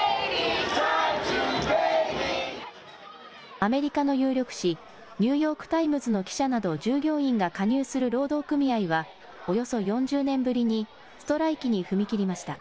アメリカの有力紙、ニューヨーク・タイムズの記者など従業員が加入する労働組合はおよそ４０年ぶりにストライキに踏み切りました。